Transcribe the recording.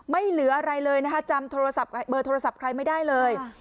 เหลืออะไรเลยนะคะจำโทรศัพท์เบอร์โทรศัพท์ใครไม่ได้เลย